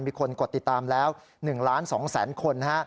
มีคนกดติดตามแล้ว๑๒๐๐๐๐๐คนฮะ